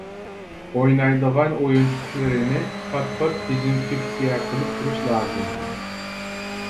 ئوينايدىغان ئويۇنچۇقلىرىنى پات پات دېزىنفېكسىيە قىلىپ تۇرۇش لازىم.